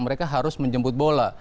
mereka harus menjemput bola